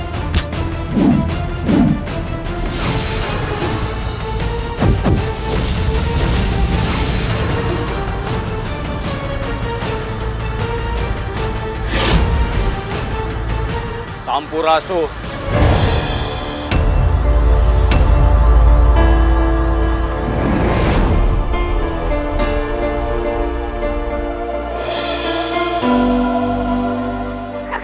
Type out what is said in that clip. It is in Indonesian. kerajaan batu jajah